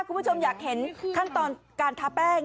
คุณผู้ชมอยากเห็นขั้นตอนการทาแป้ง